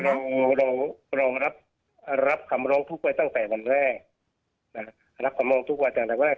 จริงเรารับคำร้องทุกข์ไว้ตั้งแต่วันแรกรับคำร้องทุกข์ไว้ตั้งแต่วันแรก